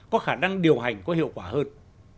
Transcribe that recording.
có khả năng điều hành có hiệu quả hơn